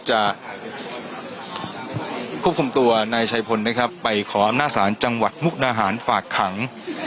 จะควบคุมตัวนายชัยพลนะครับไปขออำนาจศาลจังหวัดมุกนาหารฝากขัง